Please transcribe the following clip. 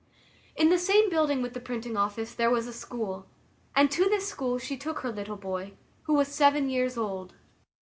In the same building with the printing office there was a school, and to this school she took her little boy, who was seven years old.